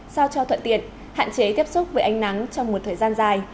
sao cho thuận tiện hạn chế tiếp xúc với ánh nắng trong một thời gian dài